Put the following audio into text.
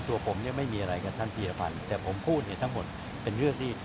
ตัวผมเนี่ยไม่มีอะไรกับท่านพีรพันธ์แต่ผมพูดเนี่ยทั้งหมดเป็นเรื่องที่